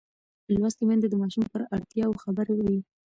لوستې میندې د ماشوم پر اړتیاوو خبر وي.